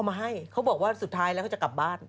มาให้เขาบอกว่าสุดท้ายแล้วเขาจะกลับบ้าน